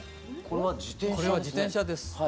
これは自転車です。